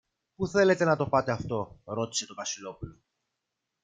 Πού θέλετε να το πάτε αυτό; ρώτησε το Βασιλόπουλο.